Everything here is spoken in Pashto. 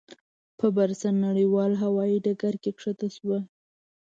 په پېرسن نړیوال هوایي ډګر کې کښته شوه.